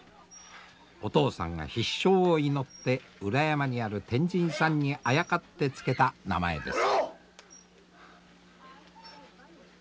お父さんが必勝を祈って裏山にある天神さんにあやかって付けた名前です。